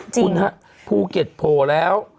จริงเหรอภูเก็ตโผล่แล้ว